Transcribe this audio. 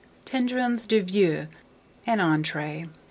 TENDRONS DE VEAU (an Entree).